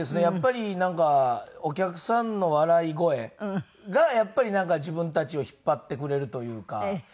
やっぱりなんかお客さんの笑い声が自分たちを引っ張ってくれるというか。